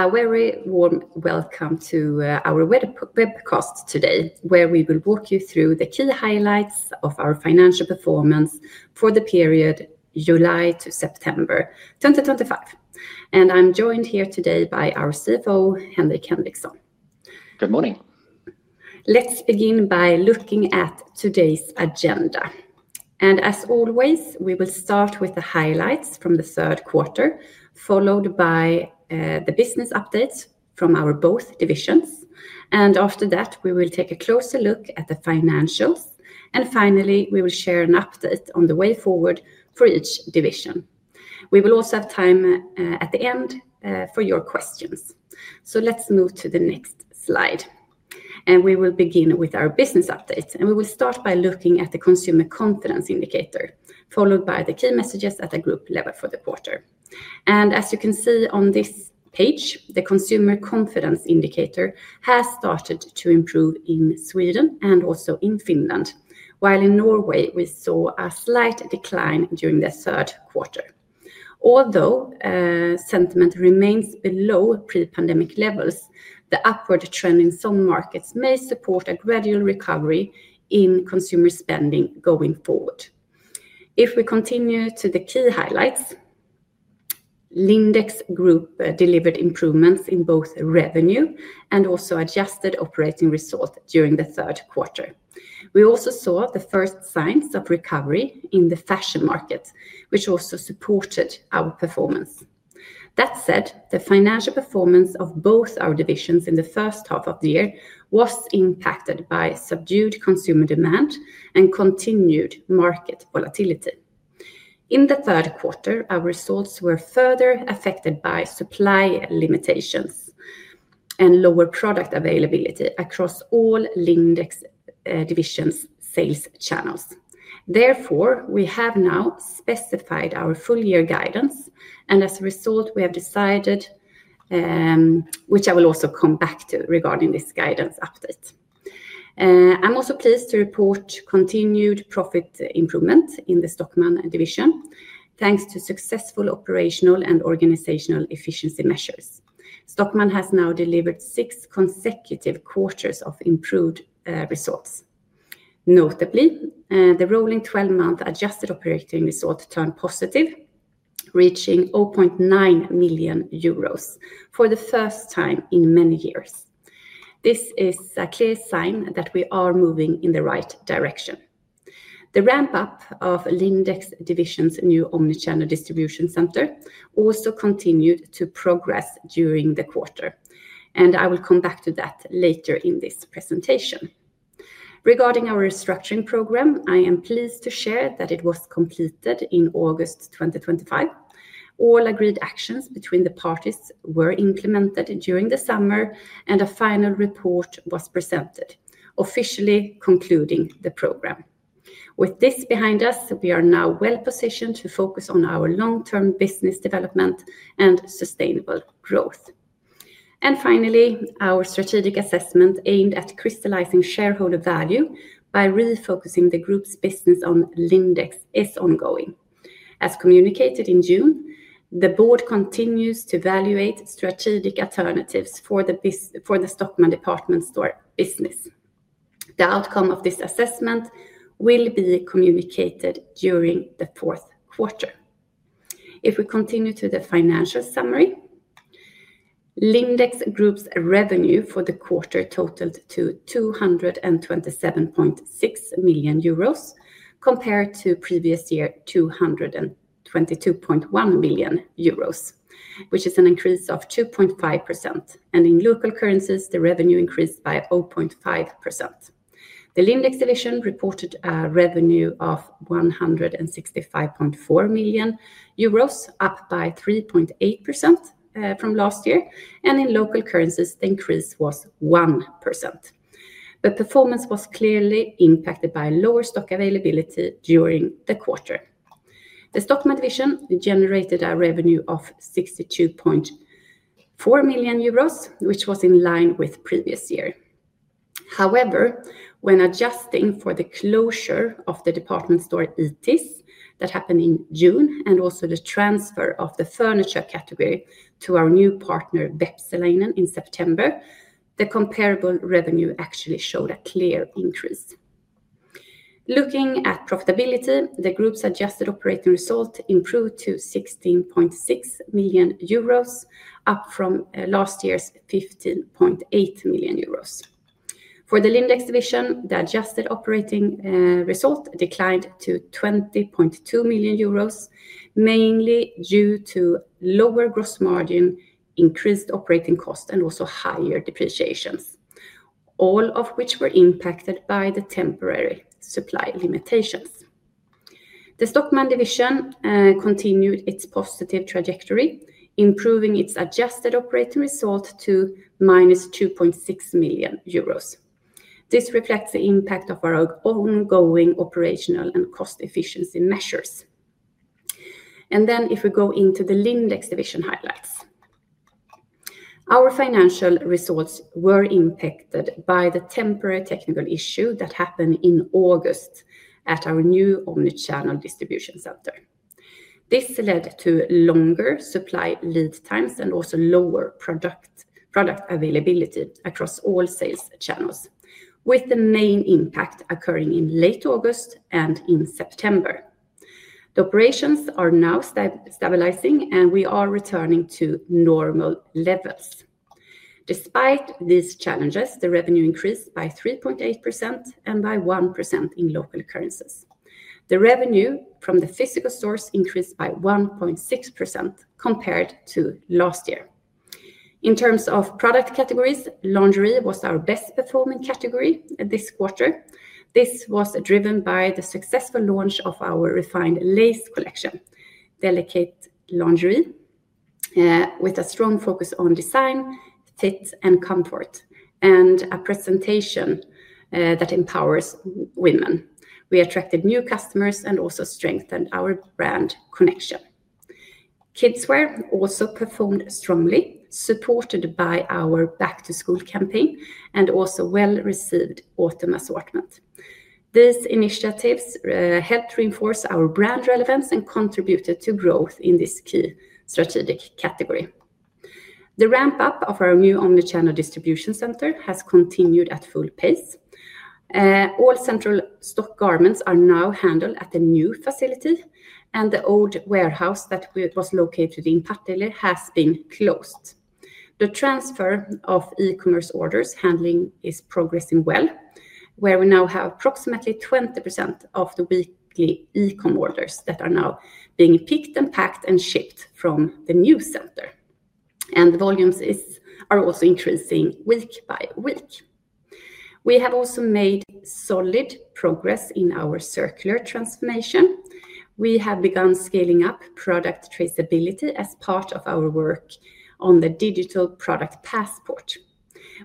A very warm welcome to our webcast today, where we will walk you through the key highlights of our financial performance for the period July to September 2025. I'm joined here today by our CFO, Henrik Henriksson. Good morning. Let's begin by looking at today's agenda. As always, we will start with the highlights from the third quarter, followed by the business updates from both our divisions. After that, we will take a closer look at the financials. Finally, we will share an update on the way forward for each division. We will also have time at the end for your questions. Let's move to the next slide. We will begin with our business update. We will start by looking at the consumer confidence indicator, followed by the key messages at the group level for the quarter. As you can see on this page, the consumer confidence indicator has started to improve in Sweden and also in Finland, while in Norway, we saw a slight decline during the third quarter. Although sentiment remains below pre-pandemic levels, the upward trend in some markets may support a gradual recovery in consumer spending going forward. If we continue to the key highlights, Lindex Group delivered improvements in both revenue and also adjusted operating result during the third quarter. We also saw the first signs of recovery in the fashion market, which also supported our performance. That said, the financial performance of both our divisions in the first half of the year was impacted by subdued consumer demand and continued market volatility. In the third quarter, our results were further affected by supply limitations and lower product availability across all Lindex divisions' sales channels. Therefore, we have now specified our full-year guidance. As a result, we have decided, which I will also come back to regarding this guidance update. I'm also pleased to report continued profit improvement in the Stockmann division, thanks to successful operational and organizational efficiency measures. Stockmann has now delivered six consecutive quarters of improved results. Notably, the rolling 12-month adjusted operating result turned positive, reaching €0.9 million for the first time in many years. This is a clear sign that we are moving in the right direction. The ramp-up of Lindex division's new omnichannel distribution center also continued to progress during the quarter. I will come back to that later in this presentation. Regarding our restructuring program, I am pleased to share that it was completed in August 2025. All agreed actions between the parties were implemented during the summer, and a final report was presented, officially concluding the program. With this behind us, we are now well-positioned to focus on our long-term business development and sustainable growth. Finally, our strategic assessment aimed at crystallizing shareholder value by refocusing the group's business on Lindex is ongoing. As communicated in June, the Board continues to evaluate strategic alternatives for the Stockmann department store business. The outcome of this assessment will be communicated during the fourth quarter. If we continue to the financial summary, Lindex Group's revenue for the quarter totaled €227.6 million, compared to previous year €222.1 million, which is an increase of 2.5%. In local currencies, the revenue increased by 0.5%. The Lindex division reported a revenue of €165.4 million, up by 3.8% from last year. In local currencies, the increase was 1%. The performance was clearly impacted by lower stock availability during the quarter. The Stockmann division generated a revenue of €62.4 million, which was in line with the previous year. However, when adjusting for the closure of the department store ETIS that happened in June, and also the transfer of the furniture category to our new partner, Bepselainen, in September, the comparable revenue actually showed a clear increase. Looking at profitability, the group's adjusted operating result improved to €16.6 million, up from last year's €15.8 million. For the Lindex division, the adjusted operating result declined to €20.2 million, mainly due to lower gross margin, increased operating costs, and also higher depreciations, all of which were impacted by the temporary supply limitations. The Stockmann division continued its positive trajectory, improving its adjusted operating result to €-2.6 million. This reflects the impact of our ongoing operational and cost efficiency measures. If we go into the Lindex division highlights, our financial results were impacted by the temporary technical issue that happened in August at our new omnichannel distribution center. This led to longer supply lead times and also lower product availability across all sales channels, with the main impact occurring in late August and in September. The operations are now stabilizing, and we are returning to normal levels. Despite these challenges, the revenue increased by 3.8% and by 1% in local currencies. The revenue from the physical stores increased by 1.6% compared to last year. In terms of product categories, lingerie was our best-performing category this quarter. This was driven by the successful launch of our refined lace collection, Delicate Lingerie, with a strong focus on design, fit, and comfort, and a presentation that empowers women. We attracted new customers and also strengthened our brand connection. Kids' wear also performed strongly, supported by our Back to School campaign and also well-received autumn assortment. These initiatives helped reinforce our brand relevance and contributed to growth in this key strategic category. The ramp-up of our new omnichannel distribution center has continued at full pace. All central stock garments are now handled at the new facility, and the old warehouse that was located in Patteille has been closed. The transfer of e-commerce orders handling is progressing well, where we now have approximately 20% of the weekly e-com orders that are now being picked and packed and shipped from the new center. The volumes are also increasing week by week. We have also made solid progress in our circular transformation. We have begun scaling up product traceability as part of our work on the digital product passport.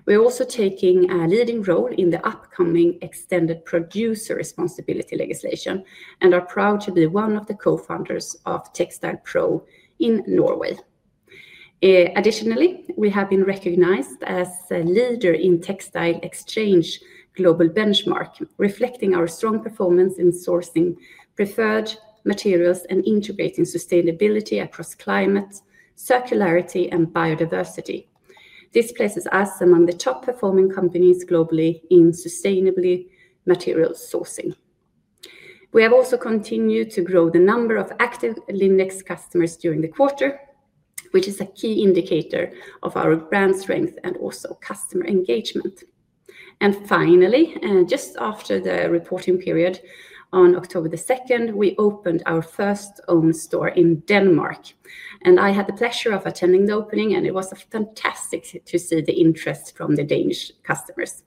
We're also taking a leading role in the upcoming extended producer responsibility legislation and are proud to be one of the co-founders of Textile Pro in Norway. Additionally, we have been recognized as a leader in Textile Exchange global benchmark, reflecting our strong performance in sourcing preferred materials and integrating sustainability across climate, circularity, and biodiversity. This places us among the top-performing companies globally in sustainable material sourcing. We have also continued to grow the number of active Lindex customers during the quarter, which is a key indicator of our brand strength and also customer engagement. Finally, just after the reporting period on October 2, we opened our first owned store in Denmark. I had the pleasure of attending the opening, and it was fantastic to see the interest from the Danish customers.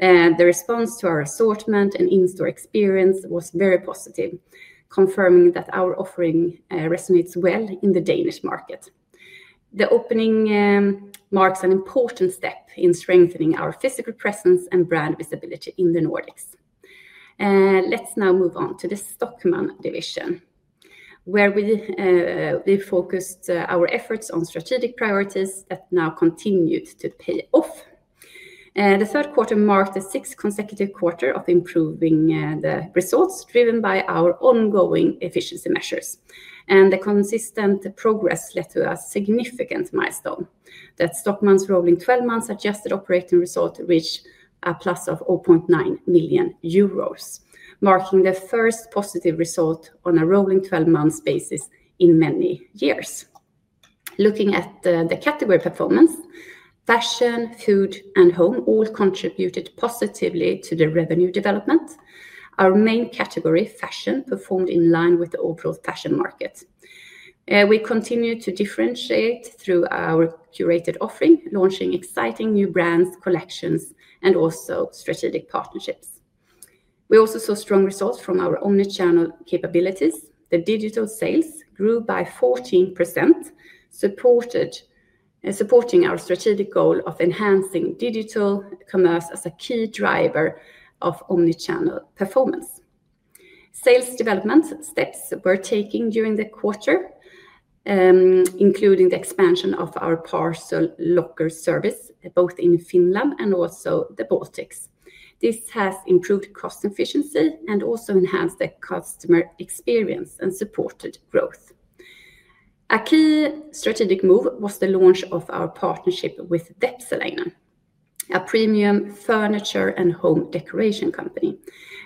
The response to our assortment and in-store experience was very positive, confirming that our offering resonates well in the Danish market. The opening marks an important step in strengthening our physical presence and brand visibility in the Nordics. Let's now move on to the Stockmann division, where we focused our efforts on strategic priorities that now continued to pay off. The third quarter marked the sixth consecutive quarter of improving the results, driven by our ongoing efficiency measures. The consistent progress led to a significant milestone that Stockmann's rolling 12-month adjusted operating result reached a plus of €0.9 million, marking the first positive result on a rolling 12-month basis in many years. Looking at the category performance, fashion, food, and home all contributed positively to the revenue development. Our main category, fashion, performed in line with the overall fashion market. We continue to differentiate through our curated offering, launching exciting new brands, collections, and also strategic partnerships. We also saw strong results from our omnichannel capabilities. The digital sales grew by 14%, supporting our strategic goal of enhancing digital commerce as a key driver of omnichannel performance. Sales development steps were taken during the quarter, including the expansion of our parcel locker service, both in Finland and also the Baltics. This has improved cost efficiency and also enhanced the customer experience and supported growth. A key strategic move was the launch of our partnership with Bepselainen, a premium furniture and home decoration company.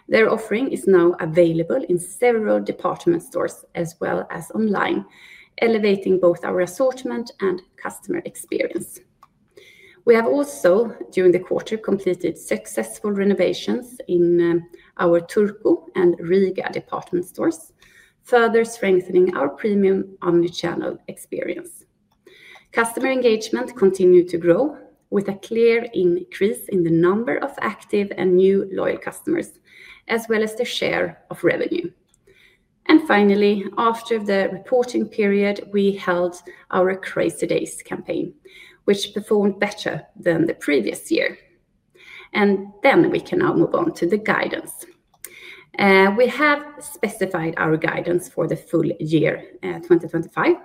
Their offering is now available in several department stores as well as online, elevating both our assortment and customer experience. We have also, during the quarter, completed successful renovations in our Turku and Riga department stores, further strengthening our premium omnichannel experience. Customer engagement continued to grow, with a clear increase in the number of active and new loyal customers, as well as the share of revenue. Finally, after the reporting period, we held our Crazy Days campaign, which performed better than the previous year. We can now move on to the guidance. We have specified our guidance for the full year 2025.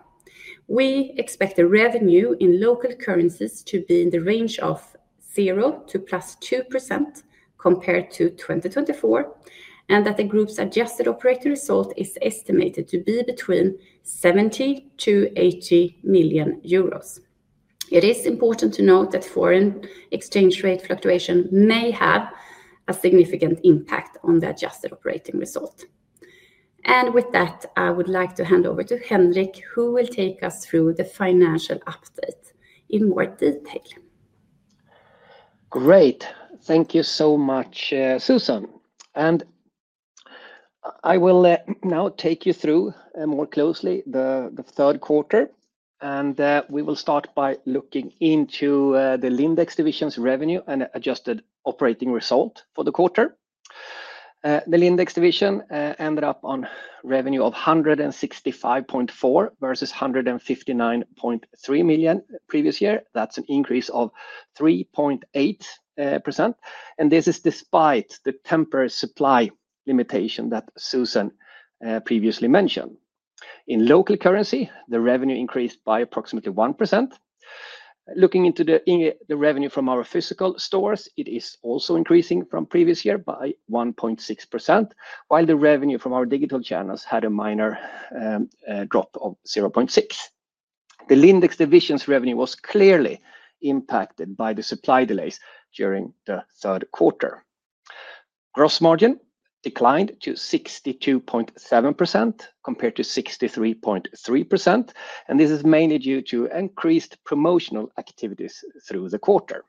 We expect the revenue in local currencies to be in the range of 0% to 2% compared to 2024, and that the group's adjusted operating result is estimated to be between €70 million to €80 million. It is important to note that foreign exchange rate fluctuation may have a significant impact on the adjusted operating result. With that, I would like to hand over to Henrik, who will take us through the financial update in more detail. Great. Thank you so much, Susanne. I will now take you through more closely the third quarter. We will start by looking into the Lindex division's revenue and adjusted operating result for the quarter. The Lindex division ended up on revenue of €165.4 million versus €159.3 million previous year. That's an increase of 3.8%. This is despite the temporary supply limitation that Susanne previously mentioned. In local currency, the revenue increased by approximately 1%. Looking into the revenue from our physical stores, it is also increasing from previous year by 1.6%, while the revenue from our digital channels had a minor drop of 0.6%. The Lindex division's revenue was clearly impacted by the supply delays during the third quarter. Gross margin declined to 62.7% compared to 63.3%. This is mainly due to increased promotional activities through the quarter.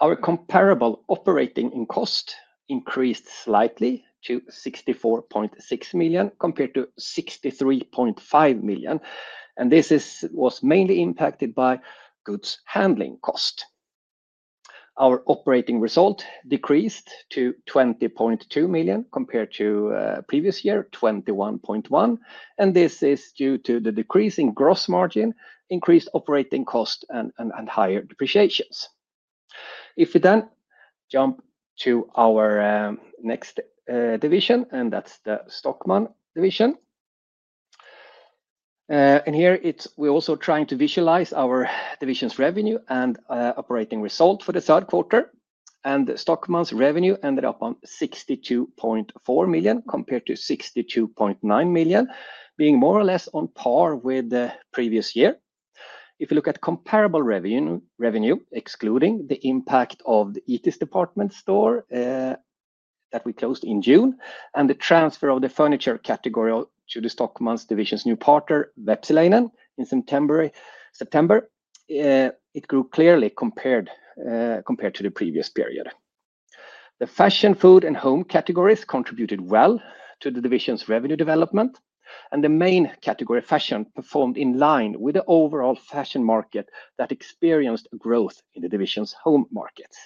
Our comparable operating cost increased slightly to €64.6 million compared to €63.5 million. This was mainly impacted by goods handling cost. Our operating result decreased to €20.2 million compared to previous year €21.1 million. This is due to the decrease in gross margin, increased operating cost, and higher depreciations. If we then jump to our next division, that's the Stockmann division. Here, we're also trying to visualize our division's revenue and operating result for the third quarter. The Stockmann's revenue ended up on €62.4 million compared to €62.9 million, being more or less on par with the previous year. If we look at comparable revenue, excluding the impact of the ETIS department store that we closed in June, and the transfer of the furniture category to the Stockmann division's new partner, Bepselainen, in September, it grew clearly compared to the previous period. The fashion, food, and home categories contributed well to the division's revenue development. The main category, fashion, performed in line with the overall fashion market that experienced growth in the division's home markets.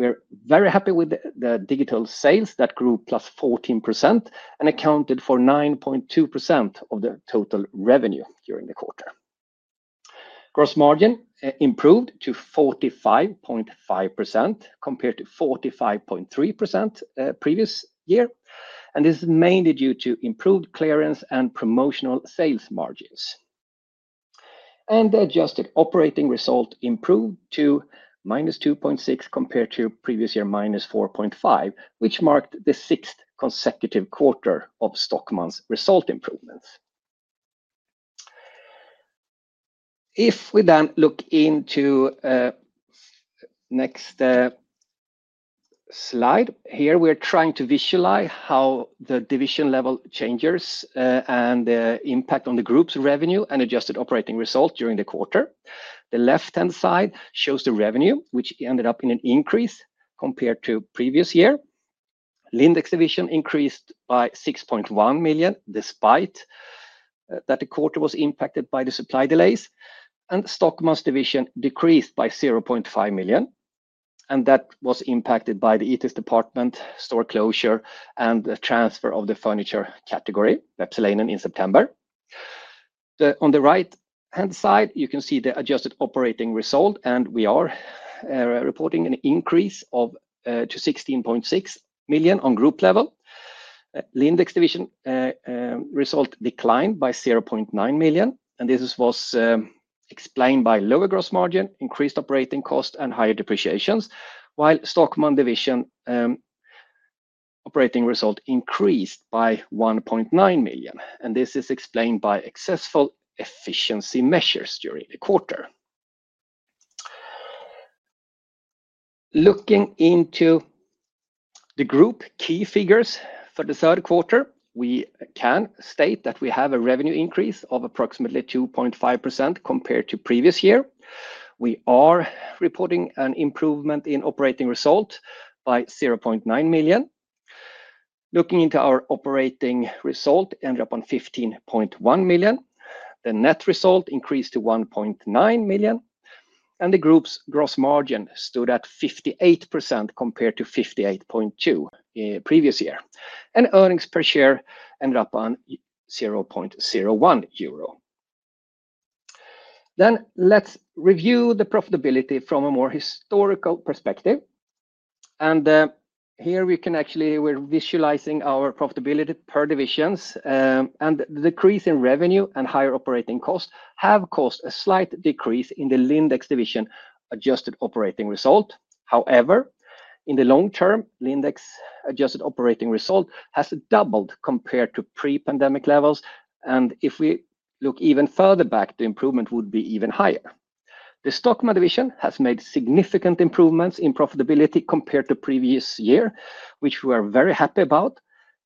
We're very happy with the digital sales that grew plus 14% and accounted for 9.2% of the total revenue during the quarter. Gross margin improved to 45.5% compared to 45.3% previous year. This is mainly due to improved clearance and promotional sales margins. The adjusted operating result improved to minus 2.6% compared to previous year minus 4.5%, which marked the sixth consecutive quarter of Stockmann's result improvements. If we then look into the next slide, here we're trying to visualize how the division level changes and the impact on the group's revenue and adjusted operating result during the quarter. The left-hand side shows the revenue, which ended up in an increase compared to previous year. Lindex division increased by €6.1 million despite that the quarter was impacted by the supply delays. The Stockmann division decreased by €0.5 million, and that was impacted by the ETIS department store closure and the transfer of the furniture category, Bepselainen, in September. On the right-hand side, you can see the adjusted operating result. We are reporting an increase to €16.6 million on group level. Lindex division result declined by €0.9 million, and this was explained by lower gross margin, increased operating cost, and higher depreciation, while the Stockmann division operating result increased by €1.9 million. This is explained by successful efficiency measures during the quarter. Looking into the group key figures for the third quarter, we can state that we have a revenue increase of approximately 2.5% compared to previous year. We are reporting an improvement in operating result by €0.9 million. Looking into our operating result, it ended up on €15.1 million. The net result increased to €1.9 million, and the group's gross margin stood at 58% compared to 58.2% previous year. Earnings per share ended up on €0.01. Let's review the profitability from a more historical perspective. Here we can actually visualize our profitability per division. The decrease in revenue and higher operating costs have caused a slight decrease in the Lindex division adjusted operating result. However, in the long term, Lindex adjusted operating result has doubled compared to pre-pandemic levels. If we look even further back, the improvement would be even higher. The Stockmann division has made significant improvements in profitability compared to previous year, which we are very happy about.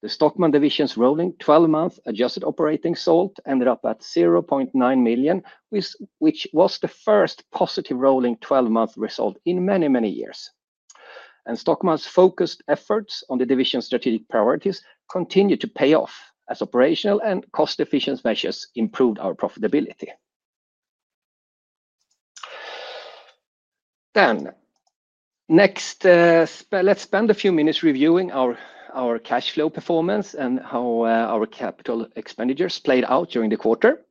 The Stockmann division's rolling 12-month adjusted operating result ended up at €0.9 million, which was the first positive rolling 12-month result in many, many years. Stockmann's focused efforts on the division's strategic priorities continue to pay off as operational and cost-efficient measures improve our profitability. Next, let's spend a few minutes reviewing our cash flow performance and how our capital expenditures played out during the quarter.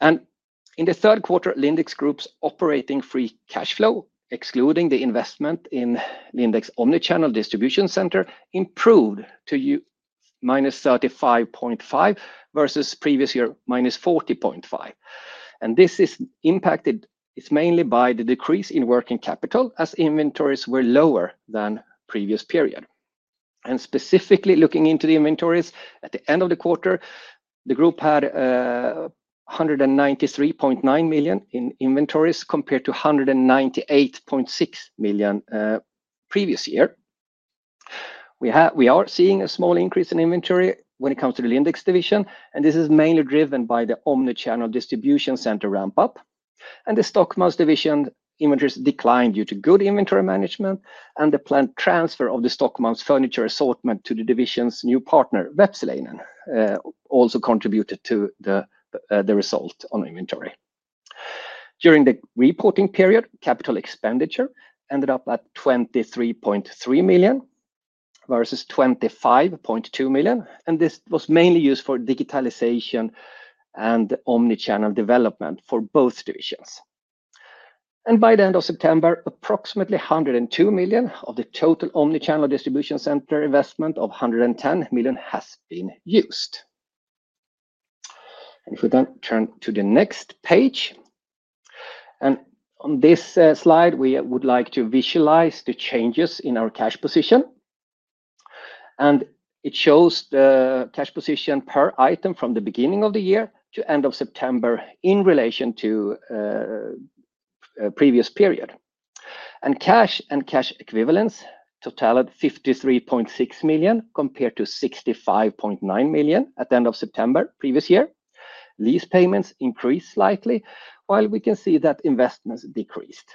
In the third quarter, Lindex Group's operating free cash flow, excluding the investment in Lindex omnichannel distribution center, improved to -35.5% versus previous year -40.5%. This is impacted mainly by the decrease in working capital as inventories were lower than the previous period. Specifically looking into the inventories at the end of the quarter, the group had €193.9 million in inventories compared to €198.6 million previous year. We are seeing a small increase in inventory when it comes to the Lindex division, mainly driven by the omnichannel distribution center ramp-up. The Stockmann division inventories declined due to good inventory management. The planned transfer of the Stockmann furniture assortment to the division's new partner, Bepselainen, also contributed to the result on inventory. During the reporting period, capital expenditure ended up at €23.3 million versus €25.2 million. This was mainly used for digitalization and omnichannel development for both divisions. By the end of September, approximately €102 million of the total omnichannel distribution center investment of €110 million has been used. If we then turn to the next page, on this slide, we would like to visualize the changes in our cash position. It shows the cash position per item from the beginning of the year to end of September in relation to the previous period. Cash and cash equivalents total €53.6 million compared to €65.9 million at the end of September previous year. Lease payments increased slightly, while we can see that investments decreased.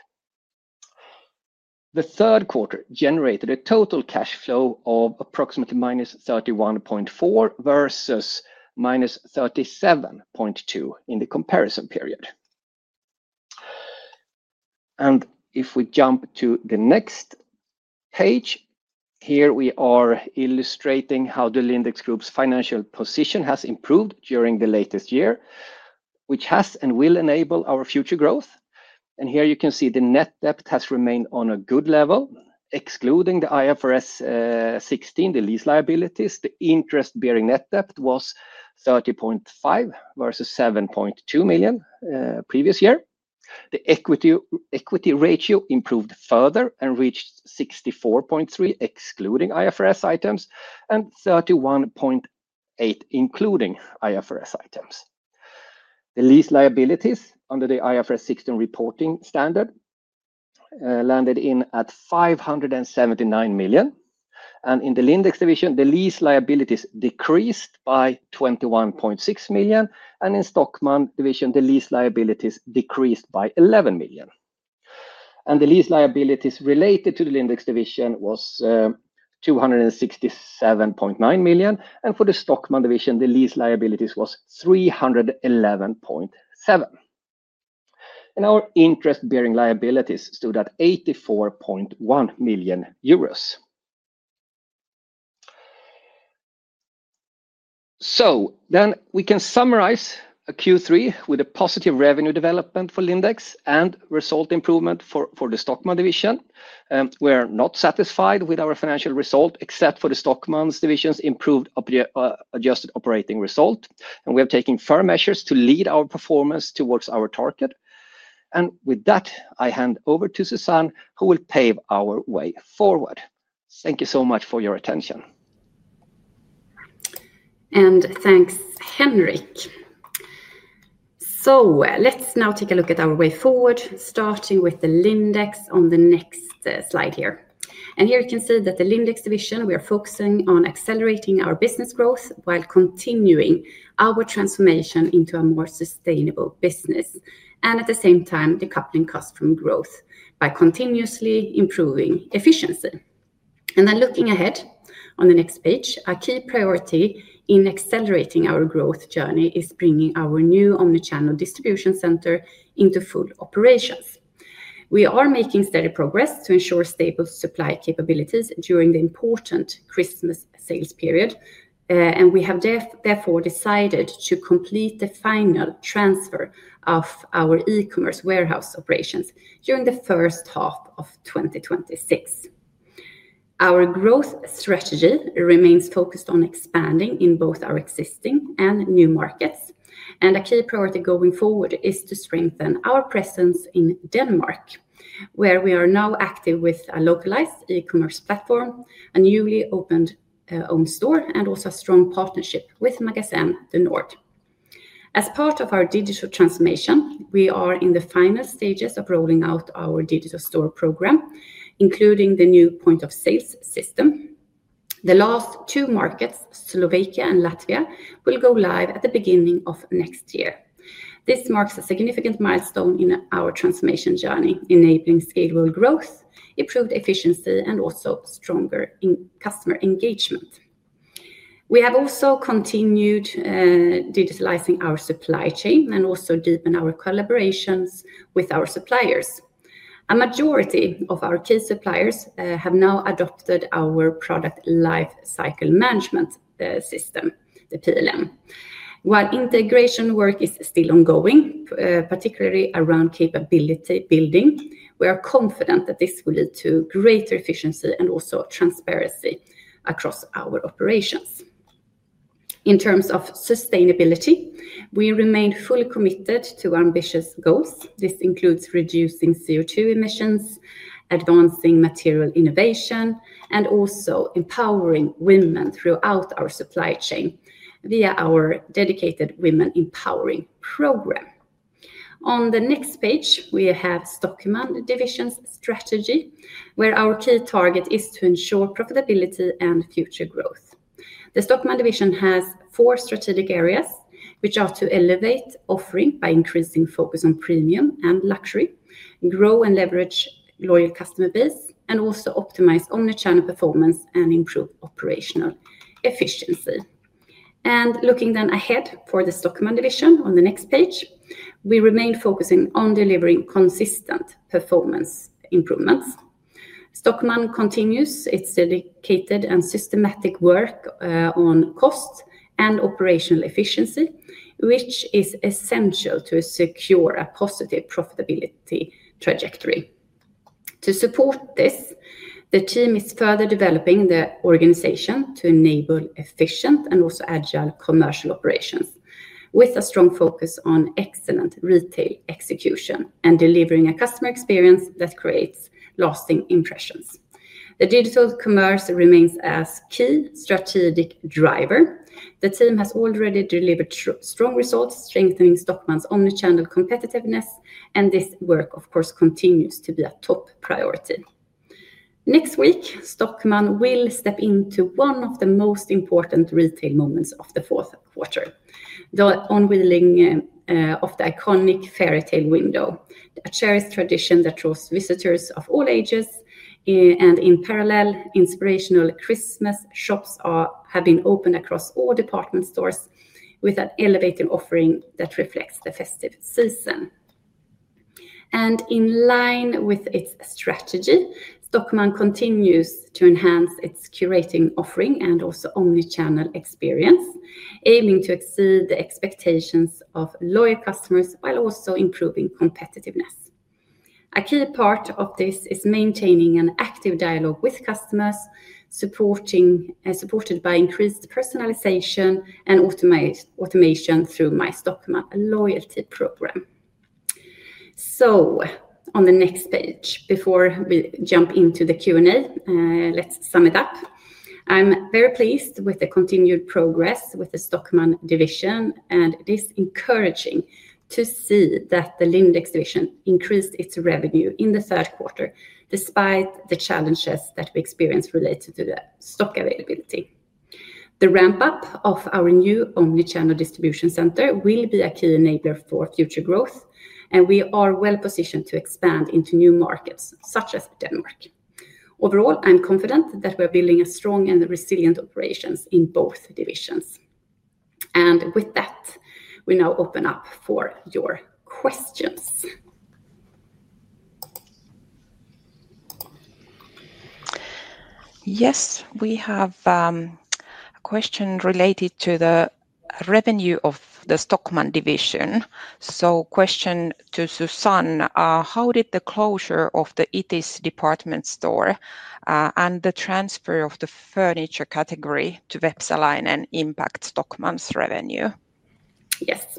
The third quarter generated a total cash flow of approximately -31.4% versus -37.2% in the comparison period. If we jump to the next page, here we are illustrating how the Lindex Group's financial position has improved during the latest year, which has and will enable our future growth. Here you can see the net debt has remained on a good level, excluding the IFRS 16 lease liabilities. The interest-bearing net debt was €30.5 million versus €7.2 million previous year. The equity ratio improved further and reached 64.3%, excluding IFRS items, and 31.8%, including IFRS items. The lease liabilities under the IFRS 16 reporting standard landed at €579 million. In the Lindex division, the lease liabilities decreased by €21.6 million. In the Stockmann division, the lease liabilities decreased by €11 million. The lease liabilities related to the Lindex division were €267.9 million. For the Stockmann division, the lease liabilities were 311.7%. Our interest-bearing liabilities stood at €84.1 million. We can summarize Q3 with a positive revenue development for Lindex and result improvement for the Stockmann division. We're not satisfied with our financial result except for the Stockmann division's improved adjusted operating result. We are taking firm measures to lead our performance towards our target. With that, I hand over to Susanne, who will pave our way forward. Thank you so much for your attention. Thanks, Henrik. Let's now take a look at our way forward, starting with the Lindex on the next slide here. Here you can see that the Lindex division, we are focusing on accelerating our business growth while continuing our transformation into a more sustainable business and at the same time decoupling costs from growth by continuously improving efficiency. Looking ahead on the next page, our key priority in accelerating our growth journey is bringing our new omnichannel distribution center into full operations. We are making steady progress to ensure stable supply capabilities during the important Christmas sales period. We have therefore decided to complete the final transfer of our e-commerce warehouse operations during the first half of 2026. Our growth strategy remains focused on expanding in both our existing and new markets. A key priority going forward is to strengthen our presence in Denmark, where we are now active with a localized e-commerce platform, a newly opened owned store, and also a strong partnership with Magasin du Nord. As part of our digital transformation, we are in the final stages of rolling out our digital store program, including the new point-of-sales system. The last two markets, Slovakia and Latvia, will go live at the beginning of next year. This marks a significant milestone in our transformation journey, enabling scalable growth, improved efficiency, and also stronger customer engagement. We have also continued digitalizing our supply chain and also deepened our collaborations with our suppliers. A majority of our key suppliers have now adopted our product lifecycle management system, the PLM. While integration work is still ongoing, particularly around capability building, we are confident that this will lead to greater efficiency and also transparency across our operations. In terms of sustainability, we remain fully committed to our ambitious goals. This includes reducing CO2 emissions, advancing material innovation, and also empowering women throughout our supply chain via our dedicated women empowering program. On the next page, we have the Stockmann division's strategy, where our key target is to ensure profitability and future growth. The Stockmann division has four strategic areas, which are to elevate offering by increasing focus on premium and luxury, grow and leverage loyal customer base, and also optimize omnichannel performance and improve operational efficiency. Looking ahead for the Stockmann division on the next page, we remain focusing on delivering consistent performance improvements. Stockmann continues its dedicated and systematic work on cost and operational efficiency, which is essential to secure a positive profitability trajectory. To support this, the team is further developing the organization to enable efficient and also agile commercial operations, with a strong focus on excellent retail execution and delivering a customer experience that creates lasting impressions. Digital commerce remains a key strategic driver. The team has already delivered strong results, strengthening Stockmann's omnichannel competitiveness. This work, of course, continues to be a top priority. Next week, Stockmann will step into one of the most important retail moments of the fourth quarter, the unveiling of the iconic fairytale window, a cherished tradition that draws visitors of all ages. In parallel, inspirational Christmas shops have been opened across all department stores with an elevated offering that reflects the festive season. In line with its strategy, Stockmann continues to enhance its curated offering and also omnichannel experience, aiming to exceed the expectations of loyal customers while also improving competitiveness. A key part of this is maintaining an active dialogue with customers, supported by increased personalization and automation through my Stockmann loyalty program. On the next page, before we jump into the Q&A, let's sum it up. I'm very pleased with the continued progress with the Stockmann division. It is encouraging to see that the Lindex division increased its revenue in the third quarter, despite the challenges that we experienced related to the stock availability. The ramp-up of our new omnichannel distribution center will be a key enabler for future growth. We are well-positioned to expand into new markets, such as Denmark. Overall, I'm confident that we are building strong and resilient operations in both divisions. With that, we now open up for your questions. Yes, we have a question related to the revenue of the Stockmann division. Question to Susanne, how did the closure of the ETIS department store and the transfer of the furniture category to Bepselainen impact Stockmann's revenue? Yes.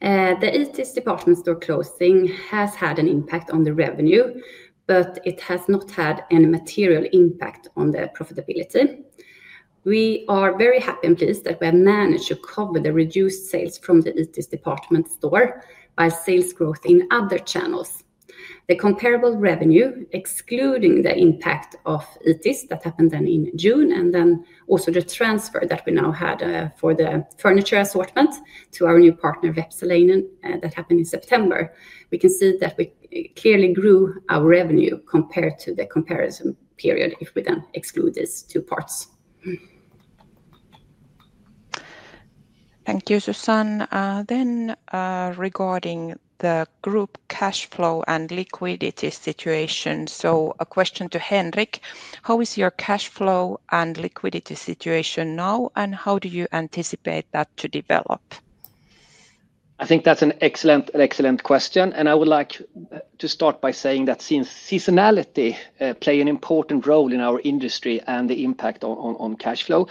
The ETIS department store closing has had an impact on the revenue, but it has not had any material impact on the profitability. We are very happy and pleased that we have managed to cover the reduced sales from the ETIS department store by sales growth in other channels. The comparable revenue, excluding the impact of ETIS that happened in June, and then also the transfer that we now had for the furniture assortment to our new partner, Bepselainen, that happened in September, we can see that we clearly grew our revenue compared to the comparison period if we then exclude these two parts. Thank you, Susanne. Regarding the group cash flow and liquidity situation, a question to Henrik. How is your cash flow and liquidity situation now? How do you anticipate that to develop? I think that's an excellent question. I would like to start by saying that seasonality plays an important role in our industry and the impact on cash flow.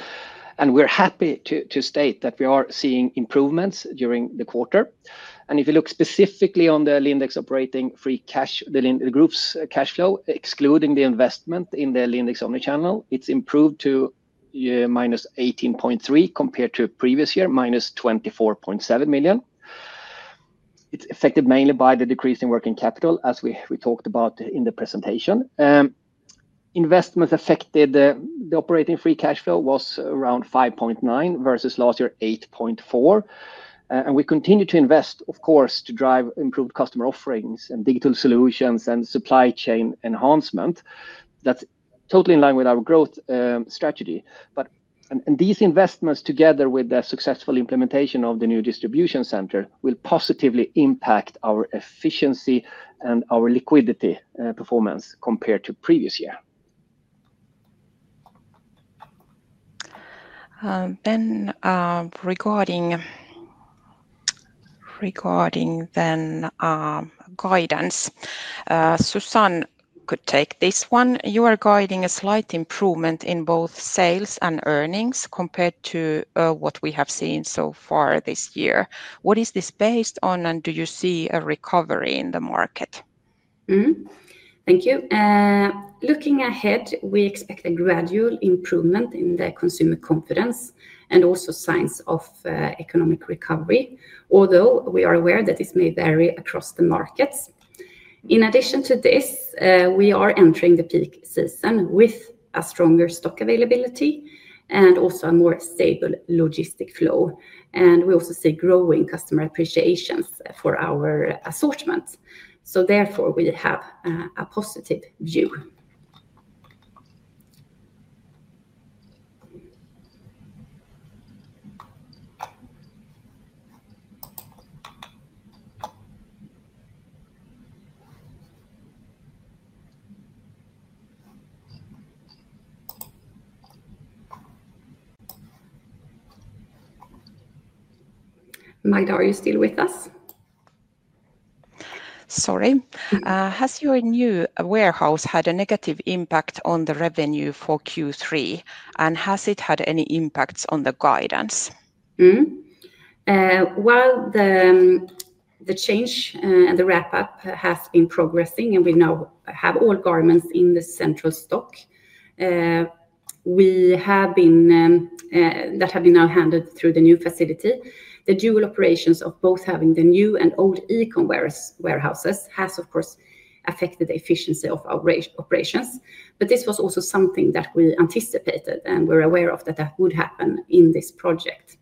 We're happy to state that we are seeing improvements during the quarter. If we look specifically at the Lindex operating free cash, the group's cash flow, excluding the investment in the Lindex omnichannel, it's improved to -18.3% compared to previous year, -€24.7 million. It's affected mainly by the decrease in working capital, as we talked about in the presentation. Investments affected the operating free cash flow, which was around -€5.9 million versus last year, -€8.4 million. We continue to invest, of course, to drive improved customer offerings and digital solutions and supply chain enhancement. That's totally in line with our growth strategy. These investments, together with the successful implementation of the new distribution center, will positively impact our efficiency and our liquidity performance compared to previous year. Regarding guidance, Susanne could take this one. You are guiding a slight improvement in both sales and earnings compared to what we have seen so far this year. What is this based on? Do you see a recovery in the market? Thank you. Looking ahead, we expect a gradual improvement in consumer confidence and also signs of economic recovery, although we are aware that this may vary across the markets. In addition to this, we are entering the peak season with stronger stock availability and also a more stable logistic flow. We also see growing customer appreciation for our assortment. Therefore, we have a positive view. Maida, are you still with us? Sorry. Has your new warehouse had a negative impact on the revenue for Q3? Has it had any impacts on the guidance? While the change and the ramp-up have been progressing and we now have all garments in the central stock that have now been handled through the new facility, the dual operations of both having the new and old e-commerce warehouses has, of course, affected the efficiency of our operations. This was also something that we anticipated and were aware would happen in this project.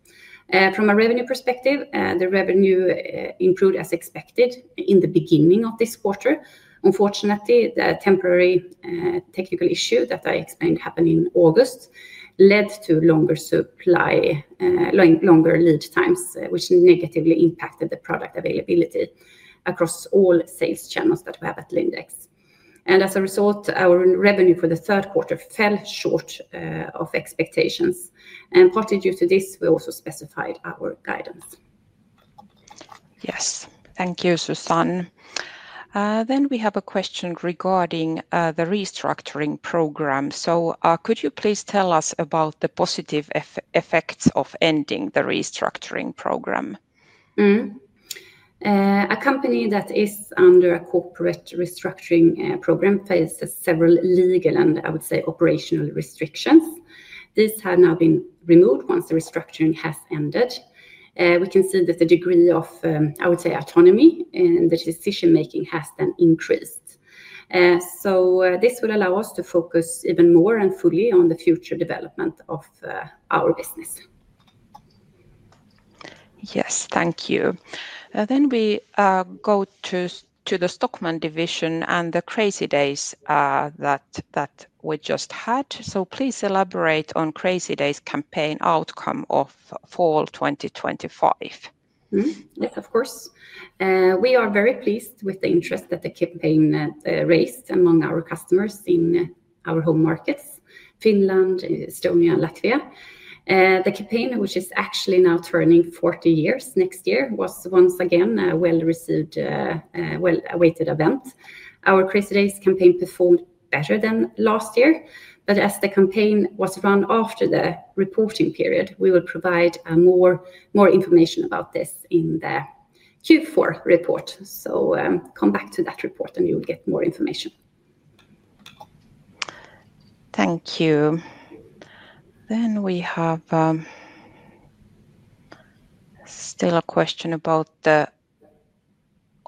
From a revenue perspective, the revenue improved as expected in the beginning of this quarter. Unfortunately, the temporary technical issue that I explained happened in August led to longer lead times, which negatively impacted the product availability across all sales channels that we have at Lindex. As a result, our revenue for the third quarter fell short of expectations. Partly due to this, we also specified our guidance. Yes, thank you, Susanne. We have a question regarding the restructuring program. Could you please tell us about the positive effects of ending the restructuring program? A company that is under a corporate restructuring program faces several legal and, I would say, operational restrictions. These have now been removed once the restructuring has ended. We can see that the degree of, I would say, autonomy and decision-making has then increased. This would allow us to focus even more and fully on the future development of our business. Yes, thank you. We go to the Stockmann division and the Crazy Days that we just had. Please elaborate on the Crazy Days campaign outcome of fall 2025. Of course, we are very pleased with the interest that the campaign raised among our customers in our home markets, Finland, Estonia, and Latvia. The campaign, which is actually now turning 40 years next year, was once again a well-received, well-awaited event. Our Crazy Days campaign performed better than last year. As the campaign was run after the reporting period, we will provide more information about this in the Q4 report. Please come back to that report, and you will get more information. Thank you. We have still a question about the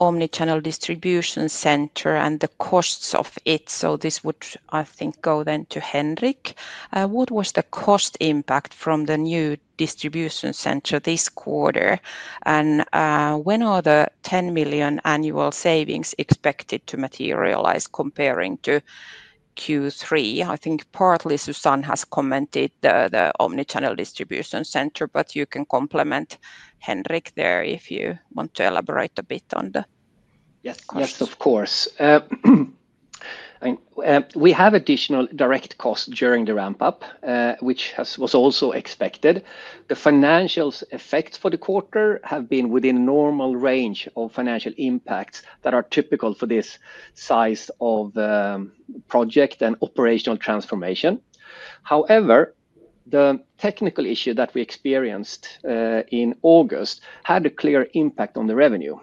omnichannel distribution center and the costs of it. This would, I think, go then to Henrik. What was the cost impact from the new distribution center this quarter? When are the $10 million annual savings expected to materialize comparing to Q3? I think partly Susanne has commented on the omnichannel distribution center, but you can complement, Henrik, if you want to elaborate a bit on the cost. Yes, of course. We have additional direct costs during the ramp-up, which was also expected. The financial effects for the quarter have been within the normal range of financial impacts that are typical for this size of project and operational transformation. However, the technical issue that we experienced in August had a clear impact on the revenue.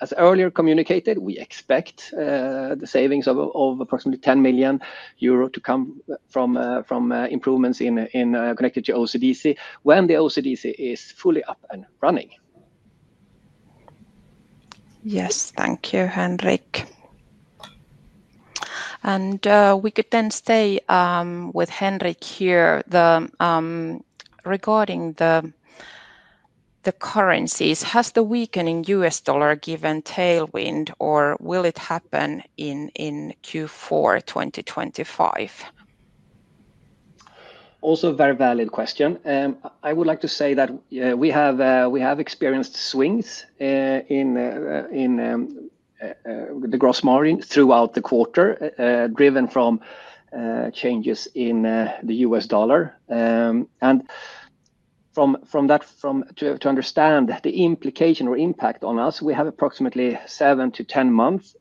As earlier communicated, we expect the savings of approximately €10 million to come from improvements connected to OCDC when the OCDC is fully up and running. Yes, thank you, Henrik. We could then stay with Henrik here. Regarding the currencies, has the weakening US dollar given tailwind, or will it happen in Q4 2025? Also a very valid question. I would like to say that we have experienced swings in the gross margin throughout the quarter, driven from changes in the U.S. dollar. To understand the implication or impact on us, we have approximately 7 to 10 months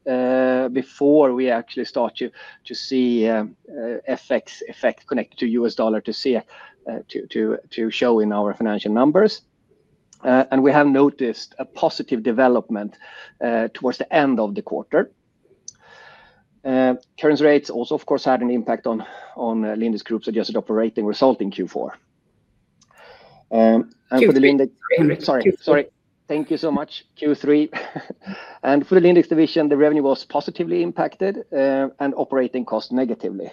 before we actually start to see effects connected to the U.S. dollar to show in our financial numbers. We have noticed a positive development towards the end of the quarter. Currency rates also, of course, had an impact on Lindex Group's adjusted operating result in Q4. For the Lindex—sorry, thank you so much, Q3. For the Lindex division, the revenue was positively impacted and operating costs negatively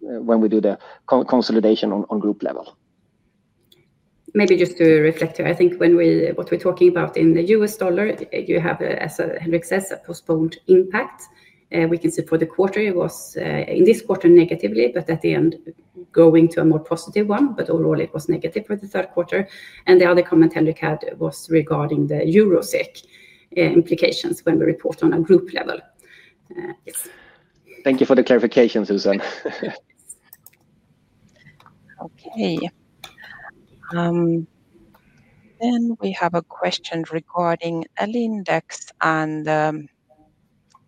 when we do the consolidation on group level. Maybe just to reflect here, I think what we're talking about in the U.S. dollar, you have, as Henrik says, a postponed impact. We can see for the quarter, it was in this quarter negatively, but at the end, going to a more positive one. Overall, it was negative for the third quarter. The other comment Henrik had was regarding the Eurotech implications when we report on a group level. Thank you for the clarification, Susanne. OK. We have a question regarding Lindex and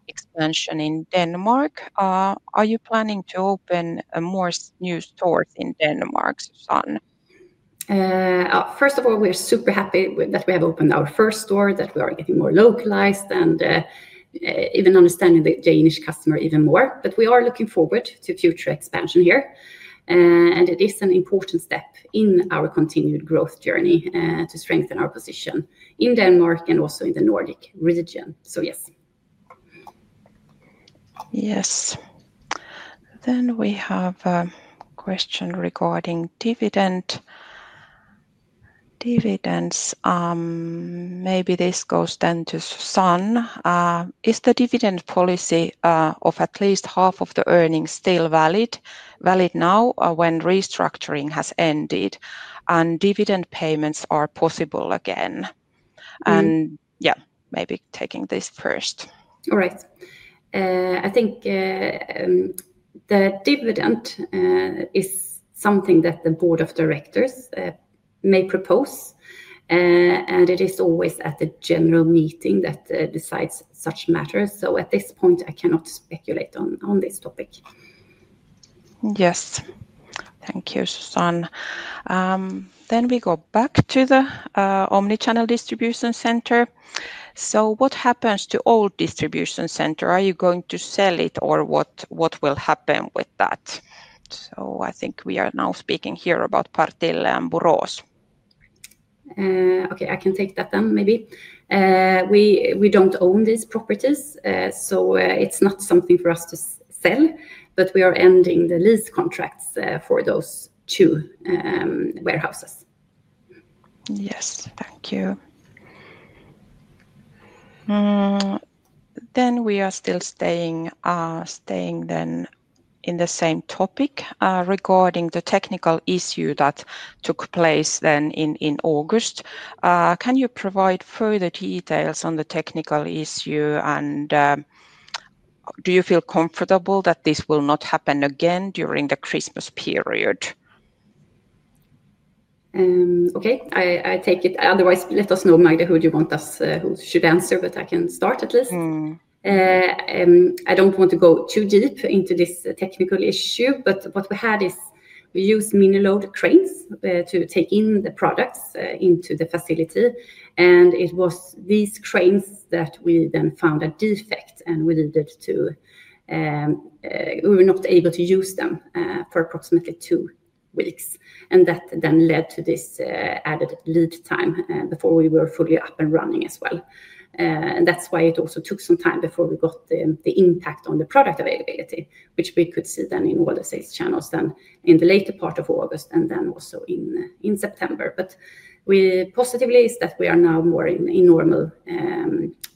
expansion in Denmark. Are you planning to open more new stores in Denmark, Susanne? First of all, we are super happy that we have opened our first store, that we are getting more localized, and even understanding the Danish customer even more. We are looking forward to future expansion here. It is an important step in our continued growth journey to strengthen our position in Denmark and also in the Nordic region. Yes. We have a question regarding dividends. Maybe this goes to Susanne. Is the dividend policy of at least half of the earnings still valid now when restructuring has ended and dividend payments are possible again? Maybe taking this first. The dividend is something that the board of directors may propose. It is always at the general meeting that decides such matters. At this point, I cannot speculate on this topic. Yes, thank you, Susanne. We go back to the omnichannel distribution center. What happens to the old distribution center? Are you going to sell it, or what will happen with that? We are now speaking here about Partille and Borås. I can take that then, maybe. We don't own these properties. It is not something for us to sell. We are ending the lease contracts for those two warehouses. Yes, thank you. We are still staying in the same topic regarding the technical issue that took place in August. Can you provide further details on the technical issue? Do you feel comfortable that this will not happen again during the Christmas period? I take it. Otherwise, let us know, Magda, who you want us who should answer. I can start at least. I don't want to go too deep into this technical issue. What we had is we used mini load cranes to take in the products into the facility. It was these cranes that we then found a defect. We were not able to use them for approximately two weeks. That then led to this added lead time before we were fully up and running as well. That is why it also took some time before we got the impact on the product availability, which we could see in all the sales channels in the later part of August and also in September. The positive is that we are now more in normal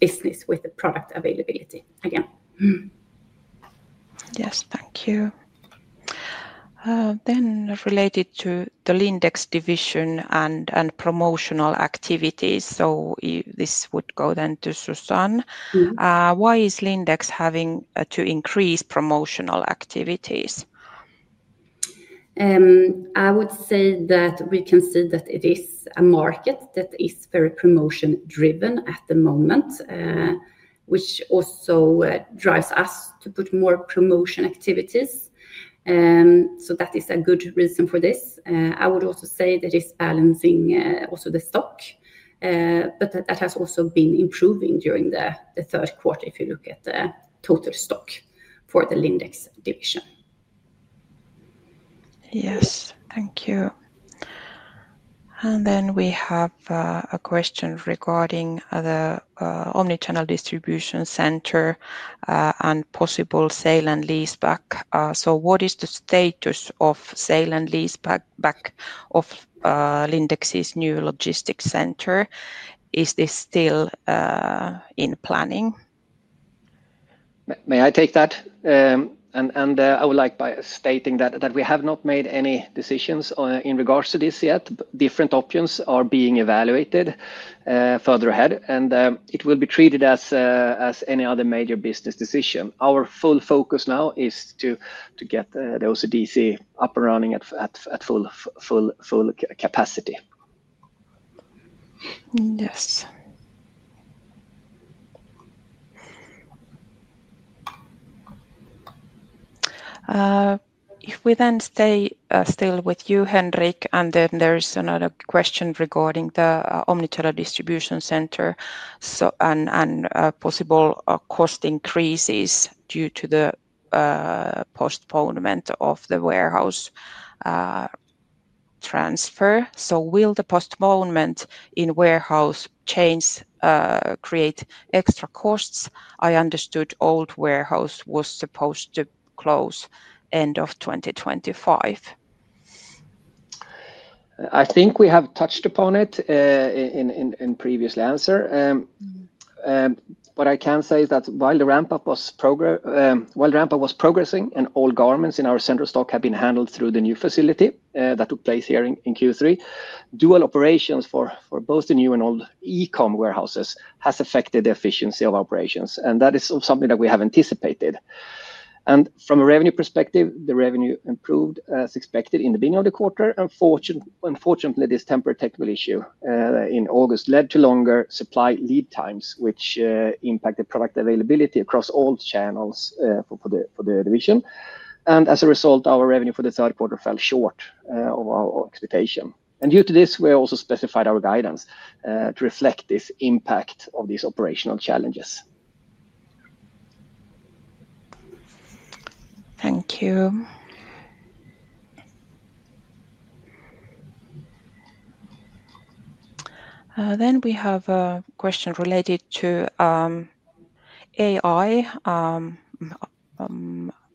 business with the product availability again. Yes, thank you. Related to the Lindex division and promotional activities. This would go then to Susanne. Why is Lindex having to increase promotional activities? I would say that we can see that it is a market that is very promotion-driven at the moment, which also drives us to put more promotion activities. That is a good reason for this. I would also say that it is balancing also the stock. That has also been improving during the third quarter if you look at the total stock for the Lindex division. Yes, thank you. We have a question regarding the omnichannel distribution center and possible sale and leaseback. What is the status of sale and leaseback of Lindex's new logistics center? Is this still in planning? May I take that? I would like by stating that we have not made any decisions in regards to this yet. Different options are being evaluated further ahead. It will be treated as any other major business decision. Our full focus now is to get the OCDC up and running at full capacity. Yes. If we then stay still with you, Henrik, there is another question regarding the omnichannel distribution center and possible cost increases due to the postponement of the warehouse transfer. Will the postponement in warehouse change create extra costs? I understood the old warehouse was supposed to close end of 2025. I think we have touched upon it in the previous answer. What I can say is that while the ramp-up was progressing and all garments in our central stock have been handled through the new facility that took place here in Q3, dual operations for both the new and old e-commerce warehouses has affected the efficiency of operations. That is something that we have anticipated. From a revenue perspective, the revenue improved as expected in the beginning of the quarter. Unfortunately, this temporary technical issue in August led to longer supply lead times, which impacted product availability across all channels for the division. As a result, our revenue for the third quarter fell short of our expectation. Due to this, we also specified our guidance to reflect this impact of these operational challenges. Thank you. We have a question related to AI.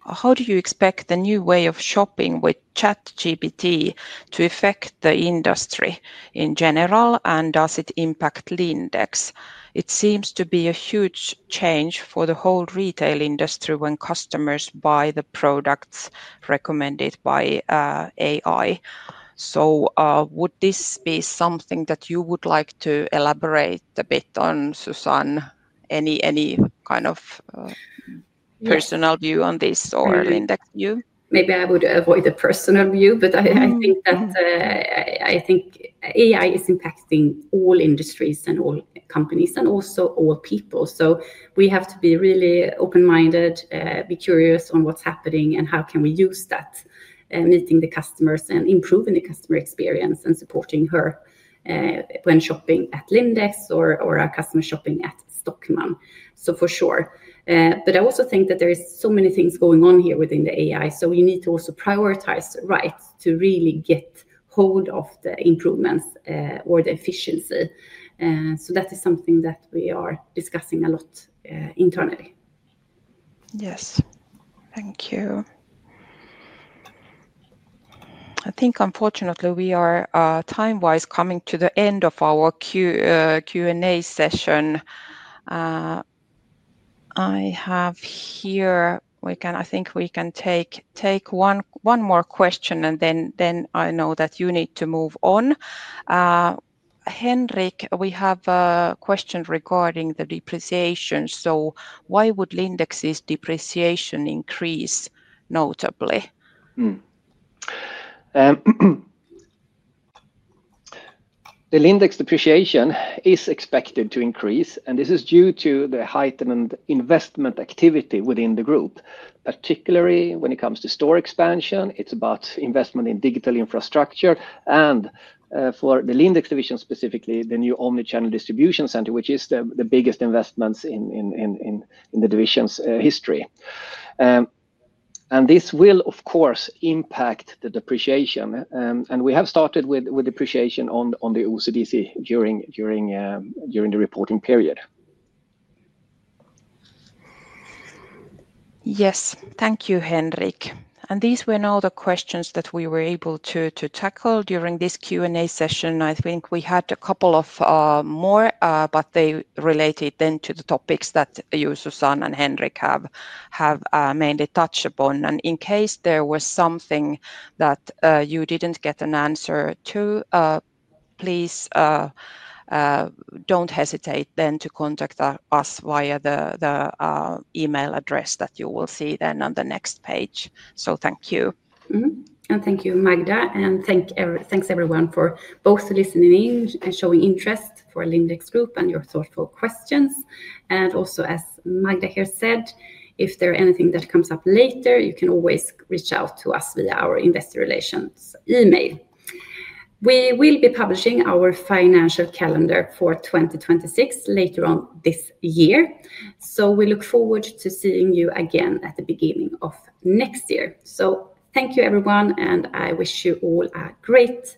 How do you expect the new way of shopping with ChatGPT to affect the industry in general? Does it impact Lindex? It seems to be a huge change for the whole retail industry when customers buy the products recommended by AI. Would this be something that you would like to elaborate a bit on, Susanne? Any kind of personal view on this or Lindex view? Maybe I would avoid the personal view. I think that AI is impacting all industries and all companies and also all people. We have to be really open-minded, be curious on what's happening, and how can we use that meeting the customers and improving the customer experience and supporting her when shopping at Lindex or our customers shopping at Stockmann. For sure. I also think that there are so many things going on here within the AI. We need to also prioritize right to really get hold of the improvements or the efficiency. That is something that we are discussing a lot internally. Yes, thank you. I think, unfortunately, we are time-wise coming to the end of our Q&A session. I think we can take one more question. I know that you need to move on. Henrik, we have a question regarding the depreciation. Why would Lindex's depreciation increase notably? The Lindex depreciation is expected to increase. This is due to the heightened investment activity within the group, particularly when it comes to store expansion. It's about investment in digital infrastructure and for the Lindex division, specifically the new omnichannel distribution center, which is the biggest investment in the division's history. This will, of course, impact the depreciation. We have started with depreciation on the omnichannel distribution center during the reporting period. Yes, thank you, Henrik. These were now the questions that we were able to tackle during this Q&A session. I think we had a couple more, but they related to the topics that you, Susanne, and Henrik have mainly touched upon. In case there was something that you didn't get an answer to, please don't hesitate to contact us via the email address that you will see on the next page. Thank you. Thank you, Magda. Thanks, everyone, for both listening in and showing interest for Lindex Group and your thoughtful questions. Also, as Magda here said, if there is anything that comes up later, you can always reach out to us via our investor relations email. We will be publishing our financial calendar for 2026 later on this year. We look forward to seeing you again at the beginning of next year. Thank you, everyone. I wish you all a great.